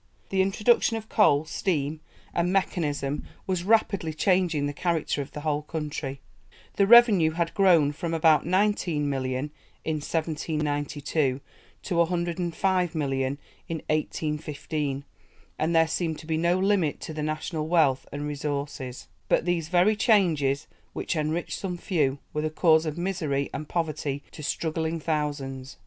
The introduction of coal, steam, and mechanism was rapidly changing the character of the whole country. The revenue had grown from about 19,000,000 pounds in 1792 to 105,000,000 pounds in 1815, and there seemed to be no limit to the national wealth and resources. But these very changes which enriched some few were the cause of misery and poverty to struggling thousands.